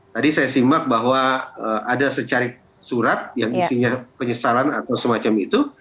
tadi saya simak bahwa ada secari surat yang isinya penyesalan atau semacam itu